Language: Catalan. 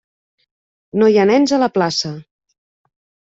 No hi ha nens a la plaça!